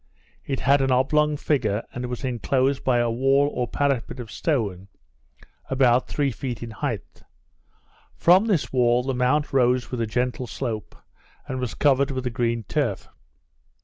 It had an oblong figure, and was inclosed by a wall or parapet of stone, about three feet in height. From this wall the mount rose with a gentle slope, and was covered with a green turf.